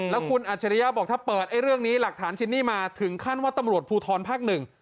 แล้วคุณอัจฉริยะบอกถ้าเปิดไอ้เรื่องนี้หลักฐานชิ้นนี้มาถึงขั้นว่าตำรวจภูทรภาคหนึ่ง